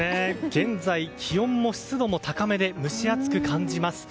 現在、気温も湿度も高めで蒸し暑く感じます。